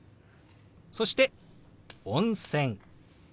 そして「温泉」。